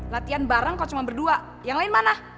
latihan bareng kalau cuma berdua yang lain mana